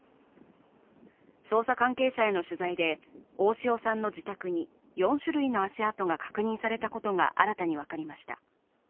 捜査関係者への取材で、大塩さんの自宅に４種類の足跡が確認されたことが新たに分かりました。